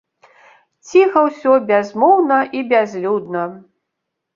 Ціха ўсё, бязмоўна і бязлюдна.